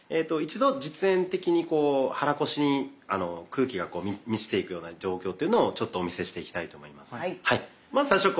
一度実演的に肚腰に空気が満ちていくような状況というのをちょっとお見せしていきたいと思います。